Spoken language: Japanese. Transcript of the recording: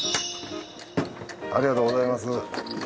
ありがとうございます。